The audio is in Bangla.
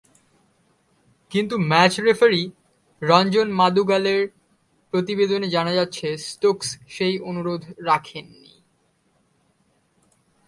কিন্তু ম্যাচ রেফারি রঞ্জন মাদুগালের প্রতিবেদনে জানা যাচ্ছে, স্টোকস সেই অনুরোধ রাখেননি।